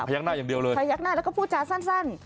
ยักหน้าอย่างเดียวเลยพยักหน้าแล้วก็พูดจาสั้น